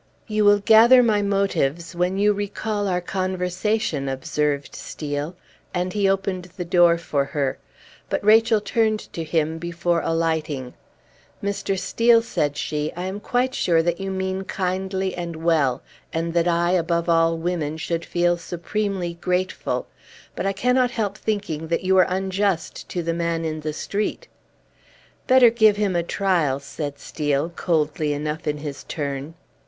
"You will gather my motives when you recall our conversation," observed Steel; and he opened the door for her. But Rachel turned to him before alighting. "Mr. Steel," said she, "I am quite sure that you mean kindly and well, and that I above all women should feel supremely grateful; but I cannot help thinking that you are unjust to the man in the street!" "Better give him a trial," said Steel, coldly enough in his turn.